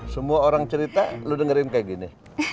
semua orang cerita lo dengerin kaya gini